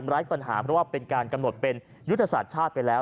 ไร้ปัญหาเพราะว่าเป็นการกำหนดเป็นยุทธศาสตร์ชาติไปแล้ว